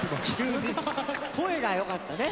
声がよかったね。